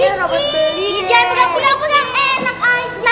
jangan pegang pegang enak aja